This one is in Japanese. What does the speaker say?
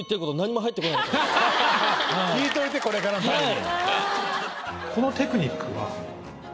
聞いといてこれからのために。